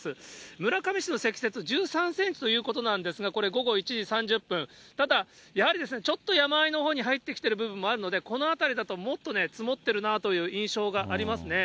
村上市の積雪１３センチということなんですが、これ、午後１時３０分、ただやはり、ちょっと山間のほうに入ってきている部分もあるので、この辺りだと、もっと積もってるなという印象がありますね。